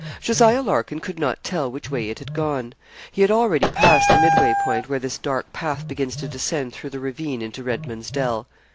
Jos. Larkin could not tell which way it had gone. He had already passed the midway point, where this dark path begins to descend through the ravine into Redman's Dell.